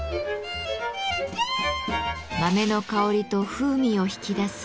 豆の香りと風味を引き出す「焙煎」。